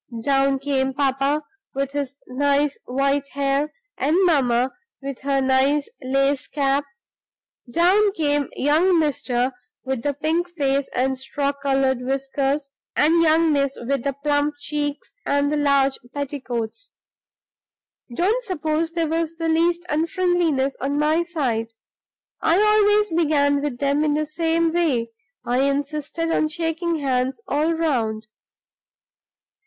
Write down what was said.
Down came papa with his nice white hair, and mamma with her nice lace cap; down came young mister with the pink face and straw colored whiskers, and young miss with the plump cheeks and the large petticoats. Don't suppose there was the least unfriendliness on my side; I always began with them in the same way I insisted on shaking hands all round.